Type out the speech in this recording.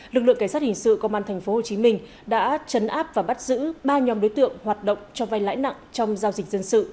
lực lượng cảnh sát hình sự công an tp hcm đã trấn áp và bắt giữ ba nhóm đối tượng hoạt động cho vai lãi nặng trong giao dịch dân sự